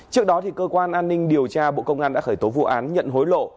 trước đó cơ quan an ninh điều tra bộ công an đã khởi tố vụ án nhận hối lộ